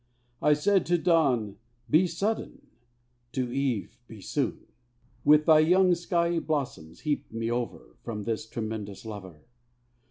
I said to dawn, Be sudden; to eve, Be soon; With thy young skiey blossoms heap me over From this tremendous Lover!